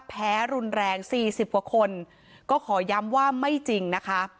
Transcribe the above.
แพ้รุนแรงสี่สิบกว่าคนก็ขอย้ำว่าไม่จริงนะคะ